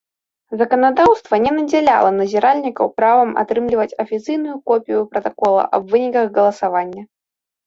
Заканадаўства не надзяляла назіральнікаў правам атрымліваць афіцыйную копію пратакола аб выніках галасавання.